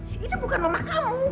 ini bukan mama kamu